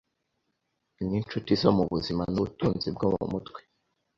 Ninshuti zo mubuzima nubutunzi bwo mu mutwe